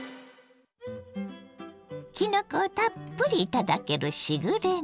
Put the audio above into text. きのこをたっぷり頂けるしぐれ煮。